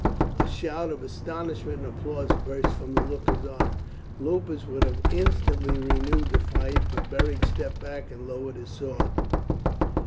A shout of astonishment and applause burst from the lookers on. Lupus would have instantly renewed the fight, but Beric stepped back and lowered his sword.